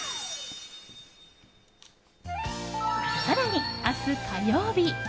更に明日、火曜日。